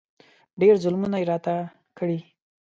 ډېر ظلمونه یې راته کړي.